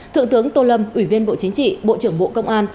thượng tướng tô lâm ủy viên bộ chính trị bộ trưởng bộ công an